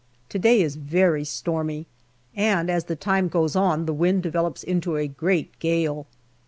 To day is very stormy, and as the time goes on the wind develops into a great gale.